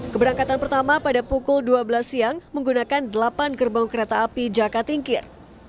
keberangkatan pertama pada pukul dua belas siang menggunakan delapan gerbong kereta api jaka tingkir